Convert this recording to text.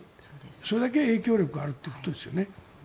それだけ影響力があるということですよね。